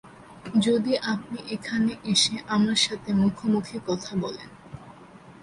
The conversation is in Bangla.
যদি আপনি এখানে এসে, আমার সাথে মুখোমুখি কথা বলেন।